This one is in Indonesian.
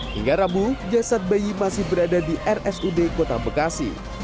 hingga rabu jasad bayi masih berada di rsud kota bekasi